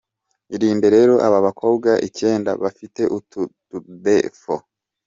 Irinde rero aba bakobwa icyenda bafite utu ‘tudefauts’:.